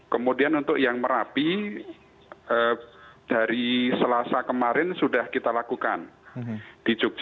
kemudian untuk yang merapi dari selasa kemarin sudah kita lakukan di jogja